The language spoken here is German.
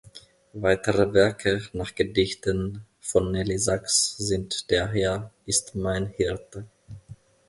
Weitere Werke nach Gedichten von Nelly Sachs sind "Der Herr ist mein Hirte".